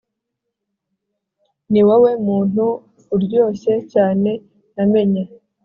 ni wowe muntu uryoshye cyane namenye